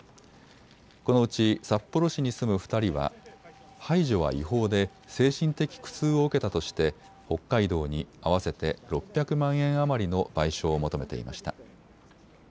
このうち札幌市に住む２人は排除は違法で精神的苦痛を受けたとして北海道に合わせて６００万円余りの賠償を求めていました。